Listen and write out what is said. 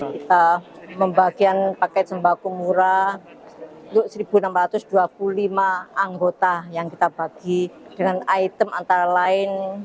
kita membagian paket sembako murah untuk satu enam ratus dua puluh lima anggota yang kita bagi dengan item antara lain